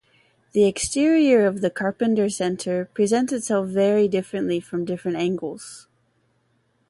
The exterior of the Carpenter Center presents itself very differently from different angles.